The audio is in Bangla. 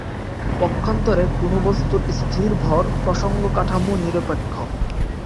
পক্ষান্তরে কোন বস্তুর স্থির ভর প্রসঙ্গ-কাঠামো নিরপেক্ষ।